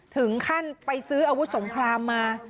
ถึงขั้นไปซื้ออาวุธสงครามมา